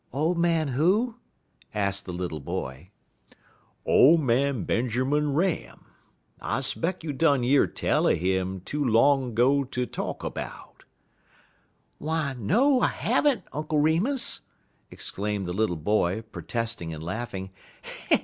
"Old man who?" asked the little boy. "Ole man Benjermun Ram. I 'speck you done year tell er him too long 'go ter talk 'bout." "Why, no, I have n't, Uncle Remus!" exclaimed the little boy, protesting and laughing.